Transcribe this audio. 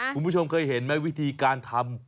คุณผู้ชมเคยเห็นไหมวิธีการทำ